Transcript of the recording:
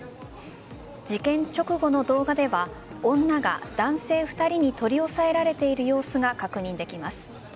事件直後の動画では女が男性２人に取り押さえられている様子が確認できます。